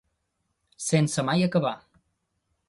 Sense mai acabar.